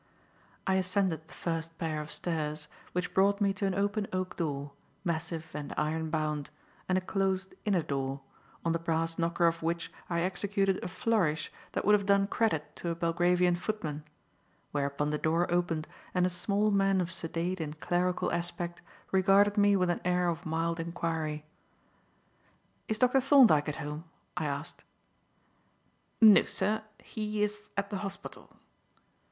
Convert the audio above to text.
I ascended the "first pair" of stairs, which brought me to an open oak door, massive and iron bound, and a closed inner door, on the brass knocker of which I executed a flourish that would have done credit to a Belgravian footman; whereupon the door opened and a small man of sedate and clerical aspect regarded me with an air of mild enquiry. "Is Dr. Thorndyke at home?" I asked. "No, sir. He is at the hospital."